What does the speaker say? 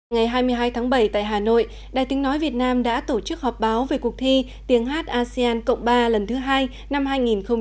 ngày hai mươi hai tháng bảy tại hà nội đài tính nói việt nam đã tổ chức họp báo về cuộc thi tiếng hát asean cộng ba lần thứ hai năm hai nghìn hai mươi